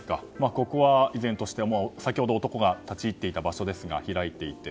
ここは依然として先ほど男が立ち入っていた場所ですが開いていて。